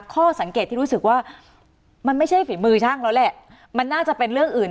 ข้อสังเกตที่รู้สึกว่ามันไม่ใช่ฝีมือช่างแล้วแหละมันน่าจะเป็นเรื่องอื่น